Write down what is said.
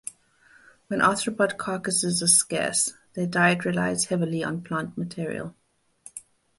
When arthropod carcasses are scarce, their diet relies heavily on plant material.